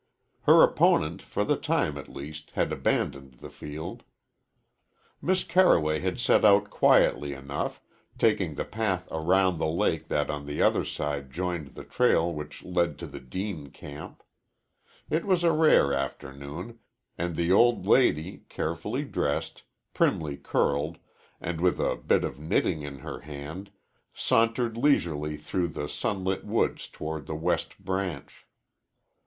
Her opponent, for the time at least, had abandoned the field. Miss Carroway had set out quietly enough, taking the path around the lake that on the other side joined the trail which led to the Deane camp. It was a rare afternoon, and the old lady, carefully dressed, primly curled, and with a bit of knitting in her hand, sauntered leisurely through the sunlit woods toward the West Branch.